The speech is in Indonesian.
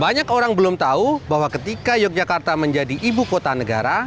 banyak orang belum tahu bahwa ketika yogyakarta menjadi ibu kota negara